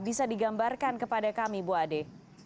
bisa digambarkan kepada kami bu ade